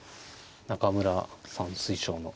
中村さん推奨の。